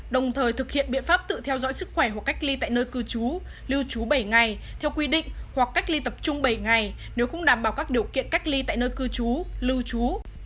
đồng thời thực hiện biện pháp tự theo dõi sức khỏe hoặc cách ly tại nơi cư trú lưu trú bảy ngày theo quy định hoặc cách ly tập trung bảy ngày nếu không đảm bảo các điều kiện cách ly tại nơi cư trú lưu trú